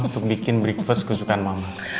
untuk bikin breakfast kesukaan mama